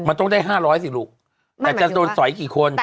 มันต้องได้๕๐๐สิลูกแต่จะโดนสอยกี่คน